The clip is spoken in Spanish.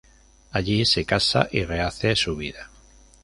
Allí se casa y rehace su vida.